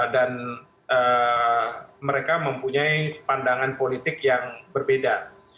mereka mempunyai pandangan politik yang berbeda